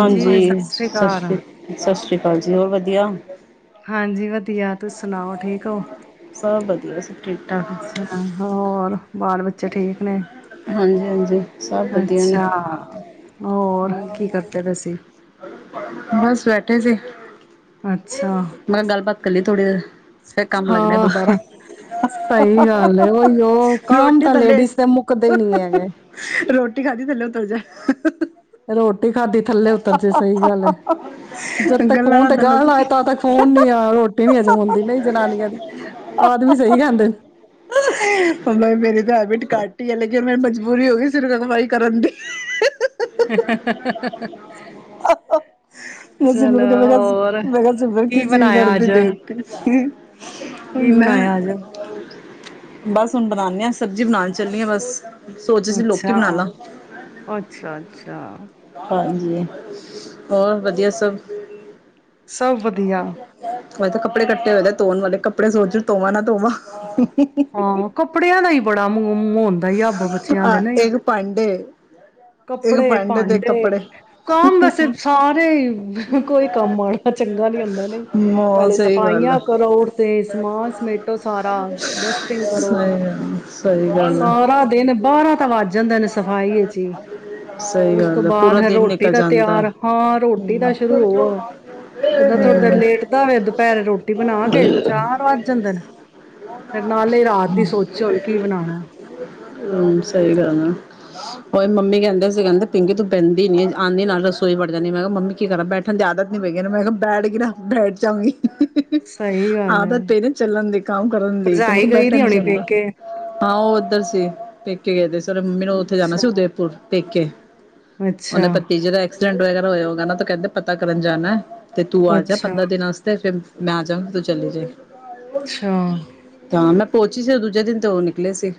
ਹਾਂਜੀ ਸਤਿ ਸ੍ਰੀ- ਸਤਿ ਸ੍ਰੀ ਜੀ ਹੋਰ ਵਧੀਆ? ਹਾਂਜੀ ਵਧੀਆ ਤੁਸੀ ਸੁਣਾਓ ਠੀਕ ਹੋ। ਸਭ ਵਧੀਆ ਸਟ੍ਰੀਟਾ ਅੱਛਾ ਹੋਰ ਬਾਲ ਬੱਚੇ ਠੀਕ ਨੇ? ਹਾਂਜੀ- ਹਾਂਜੀ ਸਭ ਵਧੀਆ ਨੇ ਅੱਛਾ ਹੋਰ ਕੀ ਕਰਦੇ ਪਏ ਸੀ? ਬਸ ਬੈਠੇ ਸੀ ਮੈਂ ਅੱਛਾ ਕਿਹਾ ਗੱਲਬਾਤ ਕਰ ਲਇਏ ਥੋੜੀ ਦੇਰ ਫਿਰ ਕੰਮ ਲੱਗਣੇ ਦੁਬਾਰਾ ਹਾਂ ਸਹੀ ਗੱਲ ਹੈ ਉਹੀ ਉਹ ਕੰਮ ਰੋਟੀ ਤਾਂ ਥੱਲੇ ਲੇਡੀਜ਼ ਦੇ ਮੁੱਕਦੇ ਹੀ ਨੀ ਹੈਗੇ ਰੋਟ ਟੀ ਖਾਦੀ ਥੱਲੇ ਉਤੱਰ ਜਾਏ ਰੋਟੀ ਖਾਧੀ ਥੱਲੇ ਉੱਤਰ ਜੇ ਸਹੀ ਗੱਲ ਜਦ ਤੱਕ ਗੱਲਾਂ ਫੋਨ ਤੇ ਥੱਲੇ ਗੱਲ ਨਾ ਹੋਏ ਤਾਂ ਉਤਰ ਤੱਕ ਫੋਨ ਨੀ ਆ ਰੋਟੀ ਨੀ ਹਜਮ ਹੁੰਦੀ ਨਹੀਂ ਜਨਾਨੀਆਂ ਦੀ ਆਦਮੀ ਸਹੀ ਕਹਿੰਦੇ ਨੇ ਐਡਮਿਟ ਕਰ ਲੀ ਹੈ ਲੇਕਿਨ ਮੈ ਮਜਬੂਰੀ ਹੋ‌ ਗਈ ਸੀ ਜੇ ਦਂਵਾਈ ਕਰਨ ਦੀ- [unintelligible] ਮੈਂ ਚਲੋ ਸਿਮਰ ਕੇ ਮੈਂ ਕਿਹਾ ਹੋਰ ਮੈਂ ਕਿਹਾ ਸਿਮਰ ਕੀ ਕਿਸ ਵੀ ਬਣਾਇਆ ਲੜਦੀ ਅੱਜ ਦੇਖ [unintelligible] ਕੀ ਮੈਂ ਬਣਾਇਆ ਅੱਜ? ਬਸ ਹੁਣ ਬਣਾਾਨੇ ਆਾਂ ਸਬਜ਼ੀ ਬਣਾਣ ਚੱਲੀ ਹਾਂ ਬਸ ਸੋਚ ਰਹੀ ਸੀ ਲੋਕੀ ਬਣਾ ਅੱਛਾ- ਲਾ ਅੱਛਾ- ਅੱਛਾ ਹਾਂਜੀ ਹੋਰ ਵਧੀਆ ਸਭ। ਸਭ ਵਧੀਆ [unintelligible] ਮੈਂ ਤਾਂ ਕੱਪੜੇ ਕਡੇ ਹੋਏ ਨੇ ਧੋਣ ਵਾਲੇ ਕੱਪੜੇ ਸੋਚ ਰਹੀ ਧੋਵਾਂ ਨਾ ਧੋਵਾਂ। ਹਾਂ ਕੱਪੜਿਆਂ ਨਾਲ ਹੀ ਹੀ ਅੱਬ ਬੱਚਿਆਂ ਦੇ ਨਹੀਂ ਇਕ ਡ ਕੱਪੜੇ ਭਾਂਡੇ ਕੰਮ ਵੈਸੇ ਸਾਰੇ ਕੋਈ ਕੰਮ ਆਣਾ ਚੰਗਾ ਨੀ ਹੁੰਦਾ ਨਹੀਂ ਮ ਪਹਿਲੇ ਸਹੀ ਗੱਲ ਆ ਸਫਾਈਆਂ ਕਰੋ ਉੱਠਦੇ ਸਮਾਨ ਸਮੇਟੋ ਸਾਰਾ ਡਸਟਿੰਗ ਕਰੋ ਸਹੀ ਗੱਲ ਸਹੀ ਗੱਲ ਆ ਦਿਨਬਾਰਾ ਤਾਂ ਵੱਜ ਜਾਂਦਾ ਨ ਸਫਾਈ ਹ ਜੀ ਸਹੀ ਉਸ ਤੋਂ ਗੱਲ ਆ ਬਾਅਦ ਪੂਰਾ ਫ ਦਿਨ ਰੋਟੀ ਨਿਕਲ ਦਾ ਜਾਂਦਾ ਤਿਆਰ ਹੈ ਹਾਂ ਰੋਟੀ ਦਾ ਸ਼ੁਰੂ ਹੋ ਬੰਦਾ ਥੋੜ੍ਹੀ ਦੇਰ ਹੂੰ, ਲੇਟ ਦਾ ਹੋੇ ਦੁਪਹਿਰੇ ਰੋਟੀ ਬਣਾ ਕੇ ਚਾਰ ਵੱਜ ਜਾਂਦੇ ਨੇ ਫ ਨਾਲੇ ਰਾਤ ਦੀ ਸੋਚਿਓਨ ਕੀ ਬਣਾਉਣਾ ਹਮ ਸਹੀ ਗੱਲ ਆ ਉਹੀ ਮੰਮੀ ਕਹਿੰਦੇ ਸੀ ਕਹਿੰਦੇ ਪਿੰਕੀ ਤੂੰ ਬਹਿੰਦੀ ਨੀ ਆਉਂਦੀ ਨਾਲ ਰਸੋਈ ਵੜ ਜਾਂਦੀ ਮੈਂ ਕਿਹਾ ਮੰਮੀ ਕੀ ਕਰਾਂ ਬੈਠਣ ਦੀ ਯਿਆਦਤ ਨੀ ਪਈਗੀ ਮੈਂ ਕਿਹਾ ਬੈਠ ਗ ਨਾ ਬੈਠ ਜਾਊਗੀ ਸਹੀ ਗੱਲ ਹੈ ਆਦਤ ਪ ਨਾ ਚੱਲਣ ਦੀ ਕੰਮ ਕਰਨ ਦੀ ਤੇ ਮੈਂ ਭਰਜਾਈ ਕਿਹਾ ਗਈ ਬੈਠਾ ਦੀ ਨੀ ਹੋਣੀ ਜਾਂਦਾ ਪੇਕੇ ਹਾਂ ਪੇਕੇ ਗਏ ਸੀ ਰੇ ਮੰਮੀ ਨੂੰ ਉੱਥੇ ਜਾਣਾ ਅੱਛਾ ਸੀ ਉਦੇੈਪੁਰ ਪੇਕੇ ਅੱਛਾ ਉਹੇ ਭਤੀਜੇ ਦਾ ਐਕਸੀਡੈਂਟ ਵਗੈਰਾ ਹੋਇਆ ਤੋਂ ਕਹਿੰਦੇ ਪਤਾ ਕਰਨ ਜਾਣਾ ਤੇ ਤੂੰ ਆ ਜਾ ਅੱਛਾ ਪੰਦਰਾਂ ਦਿਨ ਵਸ ਫਿਰ ਮੈਂ ਆ ਜਾਗੀ ਚਲੇ ਜਾਏ ਅੱਛਾ ਤਾਂ ਮੈਂ ਪਹੁੰਚੀ ਸੀ ਉਹ ਦੂਜੇ ਦਿਨ ਤੇ ਉਹ ਨਿਕਲੇ ਸੀ।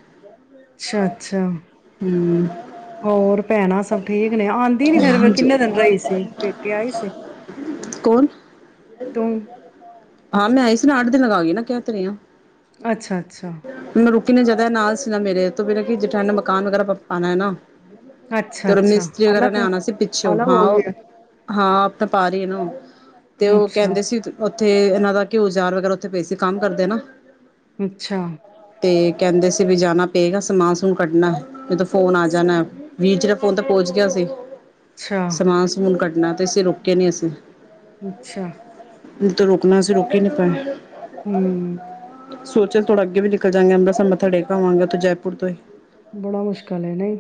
ਅੱਛਾ- ਅੱਛਾ ਹਮ ਹੋਰ ਭੈਣਾਂ ਸਭ ਠੀਕ ਨੇ। ਆਉਂਦੀ ਨੀ ਫੇਿਰ, ਕਿੰਨੇ ਦਿਨ ਰਹੀ ਸੀ? ਪੇਕੇ ਆਈ ਸੀ ਕੌਣ ਤੂੰ। ਕਹਿ ਤੇ ਰਹੀ ਹਾਂ। ਅੱਛਾ ਅੱਛਾ। ਕਿੰਨੇ ਜਣੇ ਨਾਲ ਸੀ। ਮੇਰੇ ਤੇ ਮੇਰਾ ਕਿ ਜੇਠਾਨੀ ਨੇ ਮਕਾਨ ਵਗੈਰਾ ਪਣਾ ਹੈ ਨਾ। ਅੱਛਾ ਤੇ ਉਹ ਅੱਛਾ ਮਿਸਤਰੀ ਵਗੈਰਾ ਅਲੱਗ ਨੇ ਆਉਣਾ ਸੀ ਪਿੱਛੋ। ਅਲੱਗ ਹਾਂ ਹੋ ਗਈ ਉਹ ਹੈ ਹਾਂ, ਆਪਣਾ ਪਾ ਰਹੀ ਹੈ ਨ ੳਹ। ਤੇ ਉਹ ਅੱਛਾ ਕਹਿੰਦੇ ਸੀ ਤੇ ਇਹਨਾਂ ਦਾ ਘਿਓ ਅਚਾਰ ਉਥੇ ਪਏ ਸੀ ਕੰਮ ਕਰਦੇ ਆ ਨਾ ਅੱਛਾ। ਤੇ ਕਹਿੰਦੇ ਸੀ ਵੀ ਜਾਣਾ ਪਏਗਾ ਸਮਾਨ ਸੁਮੂਨ ਕੱਢਣਾ ਹੈ। ਨਹੀ ਤਾਂ ਫੋਨ ਆ ਜਾਣਾ, ਸਹੀ। ਵੀਰ ਜੀ ਫੋਨ ਤ ਪਹੁੰਚ ਗਿਆ ਸੀ। ਅੱਛਾ ਸਮਾਨ ਸਮੂਨ ਕੱਡ ਨਾ ਤੇ ਅਸੀ ਰੁੱਕੇ ਨੀ ਅਸੀਂ। ਅੱਛਾ। ਰੁਕਣਾ ਸੀਂ ਰੁਕ ਹੀ ਨਹੀਂ ਪਾਏ। ਹੂੰ। ਸੋਚਿਆ ਥੋੜਾ ਅੱਗੇ ਵੀ ਨਿਕਲ ਜਾਣੇ ਆਂ, ਅਮਿ੍ਤਸਰ ਮੱਥਾ ਟੇਕ ਲੇ ਵਾਂਗ ਜੈਪੁਰ ਤੋ ਬੜਾ ਮੁਸ਼ਕਿਲ ਹੈ। ਨਹੀਂ।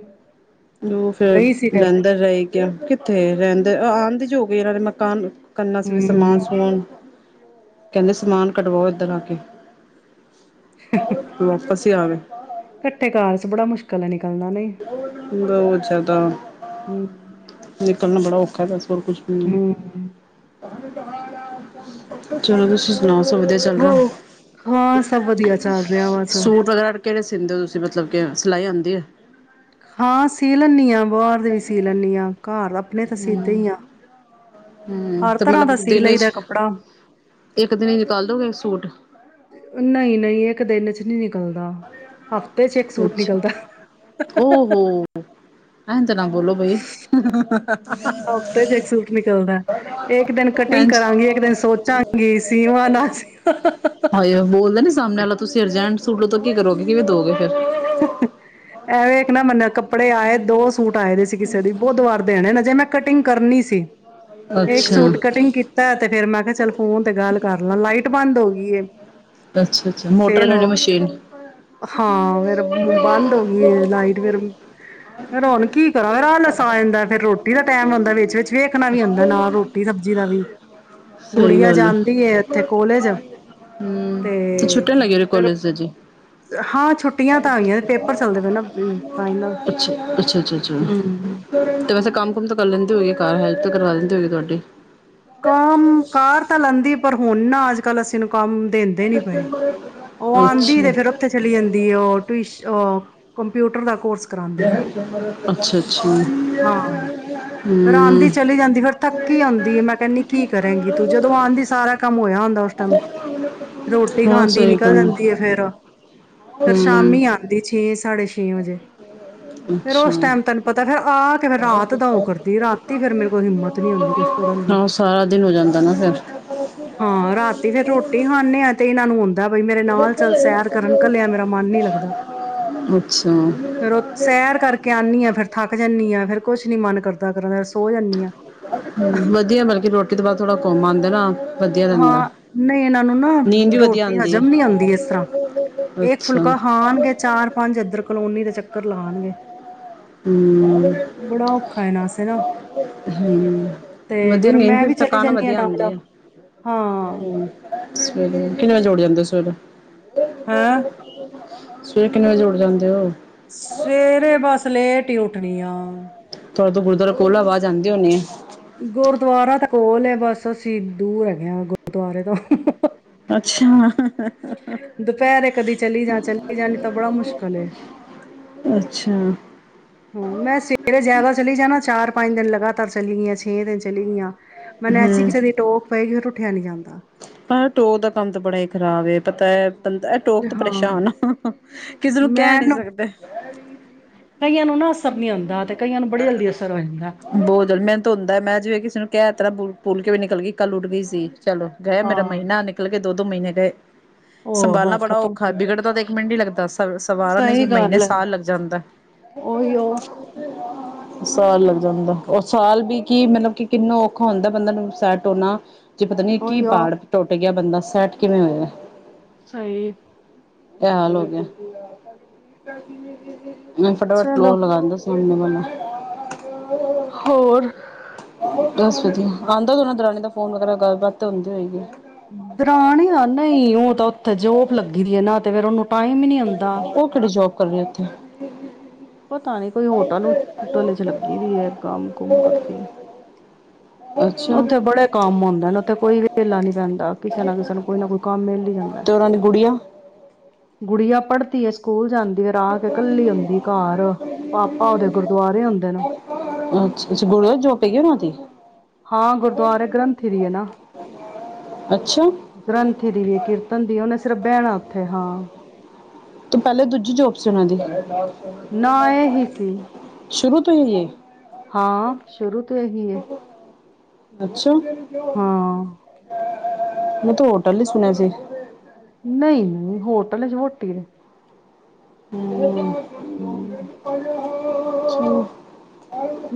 ਉਹ ਫੇਰ ਗਈ ਸੀ ਤੇਰਾ ਰਹਿੰਦਾ ਰਹੇ ਕਿੱਥੇ ਰਹਿੰਦੇ? ਆਂਦੇ ਜੋ ਹੋ ਗਏ ਇਹਨਾਂ ਦੇ ਮਕਾਨ ਕਰਨਾ ਸੀ ਵੀ ਸਮਾਨ ਹੂੰ ਸਮੂਨ ਕਹਿੰਦੇ ਸਮਾਨ ਕਡਵਾਓ ਇੱਧਰ ਆ ਕੇ ਵਾਪਸ ਤੇ ਆਵੇ ਇਕੱਠੇ ਘਰ ਚ ਬੜਾ ਮੁਸ਼ਕਿਲ ਹੈ ਨਿਕਲ ਕੂੜਾ ਔ ਚ ਸ਼ਰਦਾ ਹੂੰ ਨਿਕਲਣਾ ਬੜਾ ਔਖਾ ਦਸ ਹੂੰ ਚਲੇ ਸੀਂ ਹੋ ਹਾਂ ਸਭ ਵਧੀਆ ਚੱਲ ਰਿਹਾ ਵਸ ਸਦੇ ਹੋ ਤੁਸੀਂ ਮਤਲਬ ਕੇ ਸਿਲਾਈ ਆਉਂਦੀ ਏ ਹਾਂ ਸੀ ਲੈਂਦੀ ਹਾਂ ਬਾਹਰ ਦੇ ਵੀ ਸੀ ਲੈਂਦੀ ਹਾਂ ਘਰ ਆਪਣੇ ਤਾਂ ਸੀਦੇ ਹੀ ਆ ਹਮ ਹਰ ਤੇ ਤਰ੍ਹਾਂ ਮਤਲਬ ਦਾ ਸੀ ਦਿਨ ਲਈਦਾ ਚ ਕੱਪੜਾ ਇੱਕ ਦਿਨ ਚ ਨਿਕਾਲ ਦੋਗੇ ਸੂਟ ਨਹੀਂ ਨਹੀਂ ਇੱਕ ਦਿਨ ਚ ਨਹੀਂ ਨਿਕਲਦਾ ਹਫ਼ਤੇ ਚ ਇੱਕ ਸੂਟ ਅੱਛਾ ਨਿਕਲਦਾ ਉਹ ਹੋ ਹਾਂਜੀ ਤਰ੍ਹਾਂ ਬੋਲੋ ਬਾਈ ਹਫ਼ਤੇ ਚ ਇੱਕ ਸੂਟ ਨਿਕਲਦਾ ਇੱਕ ਦਿਨ ਕਟਿੰਗ ਕਰਾਂਗੀ ਇੱਕ ਦਿਨ ਸੋਚਾਂਗੀ ਸੀਵਾਂ ਨਾ ਸੀਵਾ ਹਾਏ ਬੋਲਦੇ ਨੀ ਸਾਹਮਣੇ ਵਾਲਾ ਤੁਸੀਂ ਅਰਜੈਂਟ ਸੂਟ ਲੋ ਤਾਂ ਕੀ ਕਰੋਗੇ ਕਿਵੇਂ ਦੋਗੇ ਫੇਿਰ ਐਵੇਂ ਇੱਕ ਨਾ ਮੰਨ ਕੱਪੜੇ ਆਏ ਦੋ ਸੂਟ ਆਏ ਦੇ ਸੀ ਕਿਸੇ ਦੀ ਬੁੱਧਵਾਰ ਦੇਣੇ ਨੇ ਜੇ ਮੈਂ ਕਟਿੰਗ ਕਰਨੀ ਸੀ ਇੱਕ ਅੱਛਾ ਸੂਟ ਕਟਿੰਗ ਕੀਤਾ ਤੇ ਫੇਰ ਮੈਂ ਕਿਹਾ ਚੱਲ ਫੋਨ ਤੇ ਗੱਲ ਕਰ ਲਾ ਲਾਈਟ ਟ ਬੰਦ ਹੋ ਗਈ ਅੱਛਾ ਅੱਛਾ ਮੋਟਰ ਫੇਰ ਲੈਣੀ ਉਹ ਮਸ਼ੀਨ ਹਾਂ ਫੇਰ ਬੰਦ ਹੋ ਗਈ ਲਾਈਟ ਫੇਿਰ ਰੌਣਕੀ ਆਲਸ ਆ ਜਾਂਦਾ ਫਿਰ ਰੋਟੀ ਦਾ ਟੈਮ ਹੁੰਦਾ ਵਿੱਚ ਵਿੱਚ ਵੇਖਣਾ ਵੀ ਹੁੰਦਾ ਨਾਲ ਰੋਟੀ ਸਬਜ਼ੀ ਦਾ ਵੀ ਸਹੀ ਗੁੜੀਆਂ ਗੱਲ ਜਾਂਦੀ ਇੱਥੇ ਕੋਲੇਜ ਹਮ ਤੇ ਛੁੱਟਣ ਲੱਗੇ ਹੋ ਫਿਰ ਕਾਲਜ ਦਾ ਜੀ ਹਾਂ ਛੁੱਟੀ ਫਾਈਨਲ ਅੱਛਾ ਅੱਛਾ ਅੱਛਾ ਅੱਛਾ ਹੂੰ ਤੇ ਵੈਸੇ ਕੰਮ ਕੁਮ ਤਾਂ ਕਰ ਲੈਂਦੇ ਹੋਏ ਗੇ ਹੈਲਪ ਤਾਂ ਕਰਵਾ ਦਿੰਦੀ ਹੋਗੀ ਤੁਹਾਡੀ ਕਮ ਕਾਰ ਤਾਂ ਲੈਂਦੀ ਪਰ ਹੁਣ ਨਾ ਅੱਜ ਕੱਲ ਅਸੀਂ ਨੂੰ ਕੰਮ ਦਿੰਦੇ ਨੀ ਪਏ ਉਹ ਆਉਂਦੀ ਤੇ ਫੇਰ ਅੱਛਾ ਉੱਥੇ ਚਲੀ ਜਾਂਦੀ ਉਹ ਟ ਉਹ ਕਮ ਕੰਪਿਊਟਰ ਦਾ ਕੋਰਸ ਕਰਾਉਂਦੇ ਪਏ ਅੱਛਾ ਅੱਛਾ ਹਾਂ ਹ ਫੇਰ ਆਉਂਦੀ ਚਲੀ ਜਾਂਦੀ ਫੇਰ ਥੱਕੀ ਆਉਂਦੀ ਹੈ ਮੈਂ ਕਹਿੰਦੀ ਕੀ ਕਰੇਗੀ ਤੂੰ ਜਦੋਂ ਆਂਦੀ ਸਾਰਾ ਕੰਮ ਹੋਇਆ ਹੁੰਦਾ ਉਸ ਟਾਈਮ ਰੋਟੀ ਹਾਂ ਖਾਂਦੀ ਸਹੀ ਨਿਕਲ ਗੱਲ ਜਾਂਦੀ ਫੇਰ ਫੇਰ ਹਮ ਸ਼ਾਮੀ ਆਉਂਦੀ ਛੀ ੇਛੇ ਸਾਡੇ ਛੇ ਵਜੇ ਫੇਿਰ ਉਸ ਅੱਛਾ ਟਾਈਮ ਤੈਨੂੰ ਪਤਾ ਫੇਿਰ ਆ ਕੇ ਫਿਰ ਰਾਤ ਦਾ ਉਹ ਕਰਦੀ ਰਾਤੀ ਫੇਿਰ ਮੇਰੇ ਕੋਲ ਹਿੰਮਤ ਨੀ ਹੁੰਦੀ ਕੁੱਛ ਕਰਨ ਦੀ ਹਾਂ ਸਾਰਾ ਦਿਨ ਹੋ ਜਾਂਦਾ ਨਾ ਫਿਰ ਹਾਂ ਰਾਤੀ ਫੇਰ ਰੋਟੀ ਖਾਂਦੇ ਹ ਇਹਨਾਂ ਨੂੰ ਜਾਂ ਬਈ ਮੇਰੇ ਨਾਲ ਚੱਲ ਸੈਰ ਕਰਨ ਕਲਿਆਂ ਮੇਰਾ ਮਨ ਨਹੀਂ ਲੱਗਦਾ। ਅੱਛਾ ਫਿਰ ਉਹ ਸੈਰ ਕਰਕੇ ਆਨੀ ਆ ਫੇਰ ਥੱਕ ਜਾਨੀ ਆਂ। ਫਿਰ ਕੁਛ ਨੀ ਮਨ ਕਰਦਾ ਕਰਨ ਅਸ- ਹੂ ਵਧੀਆ ਬਲਕੀ ਰੋਟੀ- ਕਿਤੇ ਬਾਅਦ ਥੋੜਾ ਘੁੰਮ ਆਂਦੇ ਨਾ- ਵਧੀਆ ਰਹਿੰਦਾ ਹਾਂ, ਨਹੀਂ ਇਹਨਾਂ ਨੂੰ ਨਾ ਨੀਂਦ ਵੀ ਵਧੀਆ ਰੋਟੀ ਆਂਦੀ ਏ ਹਜ਼ਮ ਨੀ ਹੁੰਦੀ ਇਸ ਤਰ੍ਹਾਂ। ਏਕ ਅੱਛਾ ਫੁਲਕਾ ਖਾਣਗੇ ਚਾਰ ਪੰਜ ਇੱਧਰ ਕਲੋਨੀ ਦੇ ਚੱਕ- ੱਕਰ ਲਾਣਗੇ। ਹੂੰਅ- ਔਖਾ ਇਹਨਾਂ ਵਾਸਤੇ ਨਾ ਹੂੰਅ ਤੇ ਵਧੀਆ ਫੇਰ ਨੀਂਦ ਮੈਂ ਫਿਰ ਵੀ ਚਲੀ ਥਕਾਨ ਜਾਂਦੀ ਹਾਂ ਵਧੀਆ ਆਂਦੀ ਨਾਲ ਆ। ਹਾਂ ਹੂੰ -ਸਵੇਰੇ ਕਿੰਨੇ ਵਜੇ ਉਠ ਜਾਂਦੇ ਸਵੇ ਹੈਂ [inaudible] [unintelligible] ਸਵੇਰੇ ਕਿੰਨੇ ਵਜੇ ਉਠ ਜਾਂਦੇ ਹੋ? ਸਵੇਰੇ ਬਸ ਲੇਟ- ਟੀ ਉੱਠਣੀ ਆ। ਤੁਹਾਡੇ ਗੁਰਦੁਆਰਾ ਕੋਲ ਆ ਆਵਾਜ ਆਂਦੀ ਹੁਣੀ ਆ। ਗੁਰਦੁਆਰਾ ਤਾਂ ਕੋਲ ਹੈ। ਬਸ ਅਸੀਂ ਦੂਰ ਐਗੇ ਆ ਗੁਰਦੁਆਰੇ ਤੋਂ। ਹਾਹਾ ਅੱਛਾ। ਦੁਪਹਿਰੇ ਕਦੀ ਚਲੀ ਜਾ ਚਲੀ ਜਾ ਨਈ ਤਾਂ ਬੜਾ ਮੁਸ਼ਕਲ ਏ। ਅੱਛਾ ਹੂੰ, ਮੈਂ ਸਵੇਰੇ ਜ਼ਿਆਦਾ ਚਲੀ ਜਾ ਨਾ ਚਾਰ- ਪੰਜ ਦਿਨ ਲਗਾਤਾਰ ਚਲੀ ਗਈ ਆਂ। ਛੇ ਦਿਨ ਚਲੀ ਗਈ ਆਂ। ਮੈਨੂੰ ਐਸੀ ਹੂੰ ਕਿਸੇ ਦੀ ਟੋਕ ਪਈ ਫੇਰ ਉਠ- ਉਠਿਆ ਨੀ ਜਾਂਦਾ। ਨਾ ਟੋਅ ਦਾ ਕੰਮ ਤਾਂ ਬੜਾ ਹੀ ਖਰਾਬ ਏ। ਪਤਾ ਏ ਰੋਕ ਟੋਕ ਤੋਂ ਹਾਂ ਪਰੇਸ਼ਾਨ ਆ। ਹਾਹਾ-ਕਿਸੇ ਨੂੰ ਕਹਿ ਨੀ ਮੈਨੂੰ ਸਕਦੇ। ਕਈਆਂ ਨੂੰ ਨਾ ਅਸਰ ਨਹੀਂ ਹੁੰਦਾ ਤੇ ਕਈਆਂ ਨੂੰ ਬੜੀ ਜਲਦੀ ਅਸਰ ਹੋ ਜਾਂਦਾ ਬਹੁ ਜਦ ਮੈਨੂ ਤੇ ਹੁੰਦਾ ਏ ਮੈਂ ਜੇ ਕਿਸੇ ਨੂੰ- ਤੇਰਾ ਪੂਲ ਕੇ ਵੀ ਨਿਕਲ ਗਈ ਕੱਲ ਉਟ ਗਈ ਸੀ ਚਲੋ ਗਏ ਮੇਰਾ ਹਾਂ ਮਹੀਨਾ ਨਿਕਲ ਗਏ। ਦੋ -ਦੋਮਹੀਨੇ- [inaudible] ਉਹ ਸੰਭਾਲਣਾ ਬਸ ਬੜਾ ਖਤਮ ਔਖਾ ਹੋ। ਵਿਗੜਦਾ ਤੇ ਇੱਕ ਮਿੰਟ ਨੀ ਲੱਗਦਾ। ਸ ਸਵਾਰਨੇ'ਚ ਸਹੀ ਮਹੀਨੇ ਗੱਲ ਹੈ ਸਾਲ ਲੱਗ ਜਾਂਦਾ। ਉਹੀਓ ਸਾਲ ਲੱਗ ਜਾਂਦਾ। ਉਹ ਸਾਲ ਵੀ ਕੀ ਮਤਲਬ ਕਿ ਕਿੰਨਾ ਔਖਾ ਹੁੰਦਾ ਬੰਦਾ ਨੂੰ ਸੈਟ ਹੋਣਾ। ਜੇ ਪਤਾ ਨੀ ਕਿ- ਉਹੀਓ ਪਹਾੜ ਟੁੱਟ ਗਿਆ। ਬੰਦਾ- ਸੱਟ ਕਿਵੇਂ ਹੋਏਗਾ? ਸਈ। ਐ ਹਾਲ ਹੋ ਗਿਆ। ਮ ਫਟਾਫਟ ਲੋ ਚਲੋ ਲਗਾਂਦੇ ਸੀ ਹੁਣ- [unintelligible] ਹੋਰ ਬਸ ਵਧੀਆ ਆਉਂਦਾ ਦਰਾਨੀ ਫੋਨ ਵਗੈਰਾ ਗੱਲਬਾਤ ਹੁੰਦੀ ਹੋ ਗਏ ਦਰਾਣੀ ਆ ਨਹੀਂ ਉਹ ਤਾਂ ਉੱਥੇ ਜੋਬ ਲੱਗੀ ਦੀ ਹੈ ਨਾ ਤੇ ਫਿਰ ਉਹਨ ਟਾਈਮ ਹੀ ਨੀ ਆਉਂਦਾ ਕਰੀ ਉੱਥੇ ਪਤਾ ਨੀ ਕੋਈ ਹੋਟਲ ਹੋਟਲ ਚ ਲੱਗੀ ਵੀ ਹੈ ਕੰਮ ਕੁਮ ਕਰਦੀ ਅੱਛਾ ਉੱਥੇ ਬੜੇ ਕੰਮ ਆਉਦੇ ਨੇ ਉੱਥੇ ਕੋਈ ਵੀ ਹੇਲਾ ਨੀ ਪੈਂਦਾ ਕਿਸੇ ਨਾ ਕਿਸੇ ਨੂੰ ਕੋਈ ਨਾ ਕੋਈ ਕੰਮ ਮੇਿਲ ਹੀ ਜਾਂਦਾ ਤੇ ਉਹਨਾਂ ਦੀ ਗੁੜੀਆ ਗੁੜੀਆਂ ਪੜ੍ਹਦੀ ਹੈਏ ਸਕੂਲ ਜਾਂਦੀ ਰਾਤ ਕੱਲੀ ਆਉਂਦੀ ਘਰ ਪਾਪਾ ਉਹਦੇ ਗੁਰਦੁਆਰੇ ਆੁੰਦੇ ਨੇ ਅੱਛਾ ਅੱਛਾ ਗੁੜੀਆ ਜੋਬ ਹੈਗੀ ਉਹਨਾਂ ਦੀ ਹਾਂ ਗੁਰਦੁਆਰੇ ਗ੍ਰੰਥੀ ਦੀ ਹੈ ਨਾ ਅੱਛਾ ਗ੍ਰੰਥੀ ਦੀ ਵੀ ਹੈ ਕੀਰਤਨ ਦੀ ਉਹਨੇ ਸਿਰਫ ਬਹਿਣਾ ਉੱਥੇ ਹ ਹਾਂ ਤੇ ਪਹਿਲੇ ਦੂਜੀ ਜੋਬ ਸੀ ਉਹਨਾਂ ਦੀ ਨ ਇਹ ਹੀ ਸੀ ਸ਼ੁਰੂ ਤੋਂ ਹੀ ਹਾਂ ਸ਼ੁਰੂ ਤੋਂ ਇਹੀ ਹੈ ਅੱਛਾ ਥ ਯੂ ਹਾਂ ਮੈਂ ਤੂੰ ਹੋਟਲ ਹੀ ਸੁਣਿਆ ਸੀ ਨਹੀਂ ਨਹੀਂ ਹੋਟਲ ਚ ਮੋਟੀ ਨੇ ਹੁੰ। ਹਮ [unintelligible] [unintelligible]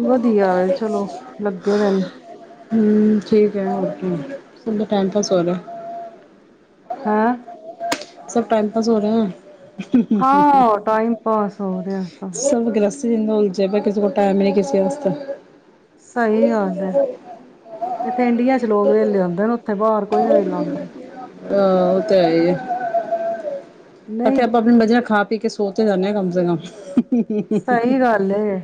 ਵਧੀਆ ਵੇ ਚਲੋ ਲੱਗੇ ਰੇਨ। ਹੁੰ, ਠੀਕ ਏ, ਓਕੇ, ਸਬ ਦਾ ਟਾਈਮ ਪਾਸ ਹੋ ਰਿਆ। ਹਾਂ। ਸਭ ਟਾਈਮ ਪਾਸ ਹੋ ਰਹੇ ਐ। ਹਾਂ ਟਾਈਮ ਪਾਸ ਹੋ ਰਿਹਾ ਸ [unintelligible] ਈਨੇ ਉਲਝੇ ਪਏ ਕਿਸੇ ਕੋਲ ਟਾਈਮ ਨੀ ਕਿਸੇ ਆਸਤੇ। [unintelligible] ਤੇ ਇੰਡੀਆ ਚ ਲੋਕ ਵੇਲੇੇ ਹੁੰਦੇ ਨੇ ਉਥੇ ਤੇ ਬਾਹਰ ਕੋਈ ਨੀ ਵੇਲਾ ਹੁੰਦਾ। [unintelligible] ਤੇ। ਅਤੇ ਨਹੀਂ ਆਪਾ ਆਪਣੀ ਮਜੀ ਨਾਲ ਖਾ ਪੀ ਕੇ ਸੋਂ ਸੋ ਤੇ ਜਾਂਨੇ ਆ ਕਮ ਸੇ ਕਮ। ਸਹੀ ਗੱਲ ਐ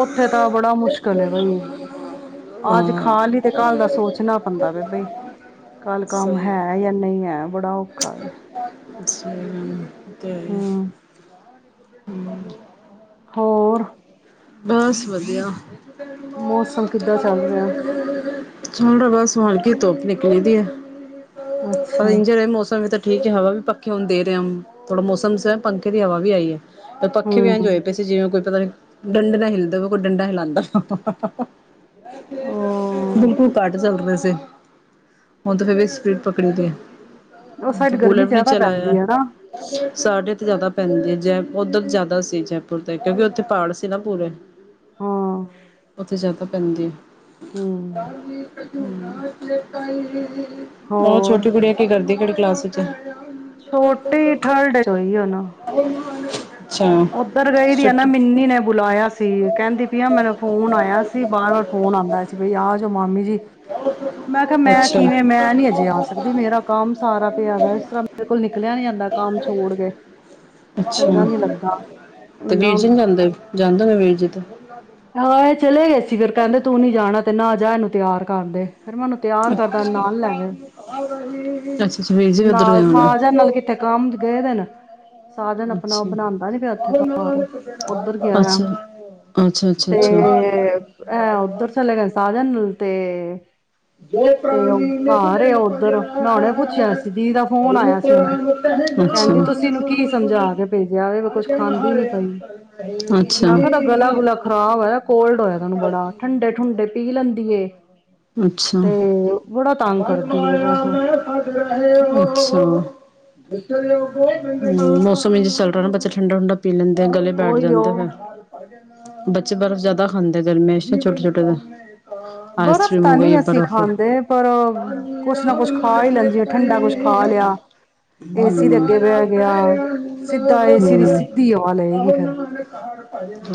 ਉੱਥੇ ਤਾਂ ਬੜਾ ਮੁਸ਼ਕਿਲ ਏ ਬਈ ਅੱਜ ਹਾਂ ਖਾਲ ਲੀ ਤੇ ਕੱਲ ਦਾ ਸੋਚਨਾ ਪੈਂਦਾ ਵੇ ਬਈ, ਕੱਲ ਕੰਮ ਸਹੀ ਹੈ ਯਾ ਨਈ ਹੈ ਬੜਾ ਓਖਾ ਐ। [unintelligible] ਤੇ। [unintelligible] ਹੋਰ। ਬਸ ਵਧੀਆ। [unintelligible] ਮੌਸਮ ਕਿੱਦਾਂ ਚੱਲ ਰਿਹਾ [unintelligible] ਹੋਰ ਕੀ ਧੁੱਪ ਨਿਕਲੀ ਦੀ ਏ ਪਰ ਅੱਛਾ ਇੰਜਰ ਮੌਸਮ ਵੀ ਤੇ ਠੀਕ ਏ ਹਵਾ ਵੀ ਪੱਖੇ ਹੁਨ ਦੇ ਰਹੇਮ ਥੋੜ੍ਹਾ ਮੌਸਮ ਸ ਪੰਖੇ ਦੀ ਹਵਾ ਵੀ ਆਈ ਏ। ਪੱਖੇ ਵੀ ਏਂਜ ਹੋਏ ਹਮ ਪਏ ਸੀ ਜਿਵੇਂ ਕੋਈ [unintelligible] ਡੰਡੇ ਨਾ ਹਿਲਦਾਵੇ ਕੋਈ ਡੰਡਾ ਹਿਲਾਂਦਾ। ਉਹ ਬਿਲਕੁਲ ਕੱਟ ਚਲਦੇ ਸੀ। ਹੁਨ ਤੇ ਫੇਰ ਵੀ ਸਪਰੀਟ ਪਕੜੀ ਦੀ। ਉਹ ਹੁਨ ਸਾਈਡ ਤਾ ਕੂਲਰ ਗਰਮੀ ਵੀ ਜ਼ਿਆਦਾ ਪੈਂਦੀ ਚਲਾਆ ਹੈ ਨਾ ਸਾਡੇ ਤੇ ਜ਼ਿਆਦਾ ਪੈਂਦੇ ਜ਼ੇ ਉੱਧਰ ਜ਼ਿਆਦਾ ਸੀ ਜੈਪੁਰ ਦੇ ਕਿਉਂਕਿ ਉੱਥੇ ਪਹਾੜ ਸ ਨਾ ਪੂਰੇ ਹਾਂ ਉੱਥੇ ਜ਼ਿਆਦਾ ਪੰਜਦੇ ਹ ਹਮ ਵੀ ਚਨਾ ਚਲੇ ਕ ਉਹ ਛੋਟੀ ਕੁੜੀਆਂ ਕੀ ਕਰਦੀ ਕਿ ਕਲਾਸ ' ਛੋਟੇ ਠਰਡਈ ਉਹ ਨਾ ਅੱਛਾ ਉੱਧਰ ਗਈ ਦੀ ਆ ਨਾ ਛੁੱਟੀ ਮਿੰਨੀ ਨੇ ਬੁਲਾਇਆ ਸੀ ਕਹਿੰਦੀ ਪਆ ਮੈਨੂੰ ਫੋਨ ਆਇਆ ਸੀ ਬਾਰ ਵਾਰ ਫੋਨ ਆਉਂਦਾ ਸੀ ਬਈ ਆ ਜਾ ਮਾਮੀ ਜੀ ਮੈਂ ਕਿਹਾ ਮੈਂ ਅੱਛਾ ਕਿਵੇਂ ਮੈਂ ਨੀ ਅਜੇ ਆ ਸਕਦੀ ਮੇਰਾ ਕੰਮ ਸਾਰਾ ਪਿਆ ਦਾ ਇਸ ਤਰ੍ਹਾਂ ਮੇਰੇ ਕੋਲ ਨਿਕਲਿਆ ਨੀ ਆਦਾ ਕੰਮ ਛੋੜ ਕੇ ਅੱਛਾ ਚੰਗਾ ਨੀ ਲੱਗਦਾ ਤੇ ਵੀਰ ਇੰਨਾ ਜਨ ਜਾਂਦੇ ਜਾਂਦੇ ਨੇ ਵੀਰ ਜੇ ਤੋਂ ਹਾਂ ਚਲੇ ਗੇ ਫ਼ਿਰ ਕਹਿੰਦੇ ਤੂੰ ਨੀ ਜਾਣਾ ਤੇ ਨਾ ਜਾ ਇਹਨੂੰ ਤਿਆਰ ਕਰਦੇ ਫੇਿਰ ਮੈਨੂੰ ਤਿਆਰ ਕਰਦਾ ਨਾਲ ਲੈ ਅੱਛਾ ਗਏ ਅੱਛਾ ਵੀਰ ਜੀ ਉੱਧਰ ਗਏ ਨਾਲ ਹੋਣੇ। ਸਾਜਨ ਨਾਲ ਕਿਥੇ ਕੰਮ ਗਏ ਦਿਨ ਸਾਜਨ ਆਪਣਾ ਅੱਛਾ। ਬਣਾਉਂਦਾ ਨੀ ਪਿਆ ੱਥੇ ਘਰ ਉੱਧਰ ਗਿਆ ਅੱਛਾ ਅੱਛਾ ਅੱਛਾ ਤੇ ਅੱਛਾ। ਹੈ ਉੱਧਰ ਚਲੇ ਗਏ ਸਾਜਨ ਤੇ ਜੋ ਤੇ ਉਹ ਪ੍ਰਾਣੀ ਨਿਖ ਘਰ ਏ ਦਿਨ ਪ ਉੱਧਰ ਮੈਂ ਹੁਣੇ ਪੁੱਛਿਆ ਸੀ ਦੀ ਦਾ ਫੋਨ ਆਇਆ ਰੂਪ ਸੀ ਹੁਣੇ ਰ ਕਛ ਕਹਿੰਦੀ ਤੁਸੀਂ ਇਹਨੂੰ ਕੀ ਸਮਝਾ ਕੇ ਭੇਜਿਆ ਵੇ ਕੁੱਝ ਖਾਂਦੀ ਨੀ ਪਈ ਹਜ ਮੈਂ ਹ ਕਿਹਾ ਤਾਂ ਗਲਾ ਗੁਲਾ ਖ਼ਰਾਬ ਹੋਇਆ ਕੋਲਡ ਹੋਇਆ ਤੈਨੂੰ ਬੜਾ ਠੰਡੇ ਠੁੰਡੇ ਪੀ ਲੈਂਦੀ ਅੱਛਾ ਤੇ ਬੜਾ ਤੰਗ ਬਵਾ ਕਰਦੀ ਏ ਬਸ ਮੈਂ ਫ ਅੱਛਾ ਹਮ ਮੌਸਮ ਵੀ ਚੱਲ ਰਿਹਾ ਨਾ ਬ ਡ ਪੀ ਲੈਂਦੇ ਗਲੇ ਬੈਠ ਉਹੀਓ ਜਾਂਦੇ ਫਿਰ ਬੱਚੇ ਬਰਫ਼ ਜਿਆਦਾ ਖਾਂਦੇ ਗਰਮੇ ਛੋਟੇ ਛੋਟੇ ਦਾ ਬਰ ਹੋ ਗਈ ਬਰਫ਼ ਕੁਛ ਨਾ ਕੁਛ ਖਾ ਹੀ ਲੈਂਦੀ ਹੈ, ਠੰਡਾ ਕੁਛ ਖਾ ਲਿਆ ਏਸੀ ਦੇ ਅੱਗੇ ਬਹਿ ਗਿਆ ਸਿੱਧਾ ਏਸੀ ਦੀ ਸਿੱਧੀ ਹਵਾ ਲਏਗੀ ਫਿਰ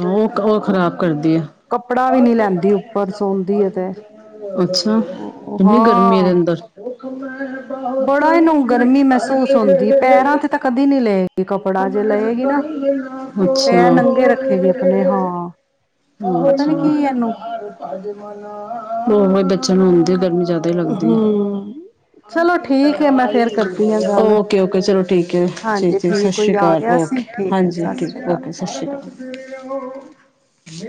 ਉਹ ਉਹ ਖਰਾਬ ਕਰਦੀ ਆ ਦੀ ਤੇ ਅੱਛਾ ਉਹ ਇੰਨੀ ਗਰਮੀ ਦੇ ਹਾਂ ਅੰਦਰ ਬੜਾ ਇਹਨੂੰ ਗਰਮੀ ਮਹਿਸੂਸ ਹੁੰਦੀ ਪੈਰਾਂ ਤੇ ਤਾਂ ਕਦੀ ਨੀ ਲਏਗੀ ਕੱਪੜਾ ਜੇ ਲਏਗੀ ਨਾ ਅੱਛਾ ਪੈਰ ਨੰਗੇ ਰੱਖੇਗੀ ਆਪਣੇ ਹਾਂ ਪਤਾ ਨੀ ਕੀ ਇਹਨੂੰ ਹਾਂ ਉਹਹੀ ਬੱਚਿਆਂ ਨੂੰ ਆਉਂਦੇ ਆ ਗਰਮੀ ਚ ਜਿਆਦਾ ਲੱਗਦੀ ਆ ਹਮ ਚਲੋ ਠੀਕ ਹੈ ਮੈਂ ਫੇਰ ਕਰਦੀ ਹਾਂ ਗੱਲ ਓਕੇ ਓਕੇ ਚਲੋ ਠੀਕ ਜੀ ਜੀ ਹਾਂਜੀ ਸਤਿ ਠੀਕ ਸ੍ਰੀ ਕੋਈ ਆ ਅਕਾਲ ਗਿਆ ਸੀ ਓਕੇ ਠੀਕ ਹੈ ਸਤਿ ਹਾਂਜੀ ੀ ਸ੍ਰੀ ਅਕਾਲ ਓਕੇ ਸਤਿ੍ਰੀ ਅਕਾਲ